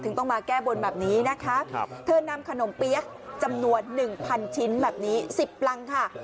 ต้องมาแก้บนแบบนี้นะคะเธอนำขนมเปี๊ยกจำนวน๑๐๐ชิ้นแบบนี้๑๐รังค่ะ